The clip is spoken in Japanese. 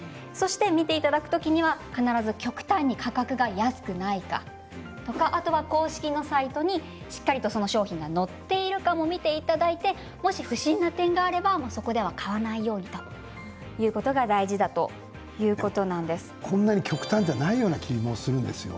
見ていただく時には必ず極端に価格が安くないかあとは公式のサイトにしっかりとその商品が載ってるかも見ていただいてもし不審な点があればそこでは買わないようにということが大事だとこんなに極端じゃないような気もするんですよ。